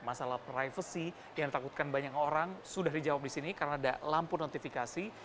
masalah privacy yang ditakutkan banyak orang sudah dijawab di sini karena ada lampu notifikasi